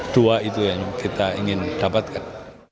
dua itu yang kita ingin dapatkan